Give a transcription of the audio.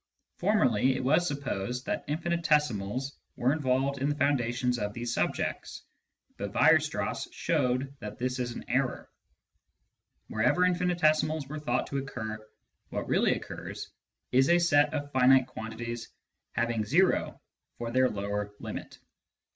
Formerly, it was supposed that infinitesimals were involved in the foundations of these subjects, but Weierstrass showed that this is an error : wherever infinitesimals were thought to occur, what really occurs is a set of finite quantities having zero for their lower limit.